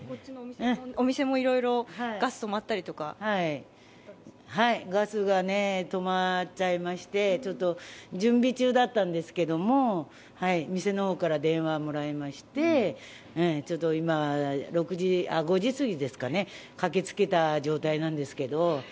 お店もいろいろガス止まったりとかガスが止まっちゃいましてちょっと準備中だったんですけども店の方から電話をもらいまして、今５時すぎですかね駆けつけた状態なんですけど。